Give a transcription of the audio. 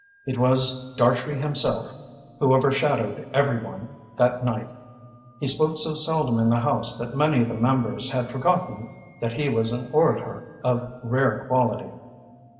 It was Dartrey himself who overshadowed every one that night. He spoke so seldom in the House that many of the members had forgotten that he was an orator of rare quality.